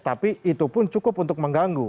tapi itu pun cukup untuk mengganggu